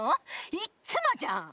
いっつもじゃん！